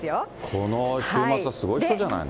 この週末はすごい人じゃないの。